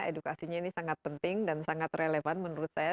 edukasinya ini sangat penting dan sangat relevan menurut saya